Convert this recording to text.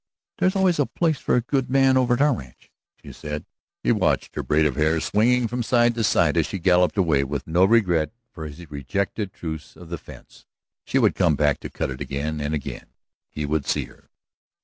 "There's always a place for a good man over at our ranch," she said. He watched her braid of hair swinging from side to side as she galloped away, with no regret for his rejected truce of the fence. She would come back to cut it again, and again he would see her.